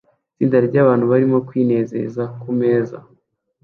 Itsinda ryabantu barimo kwinezeza kumeza